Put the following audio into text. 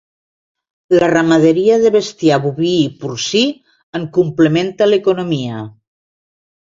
La ramaderia de bestiar boví i porcí en complementa l'economia.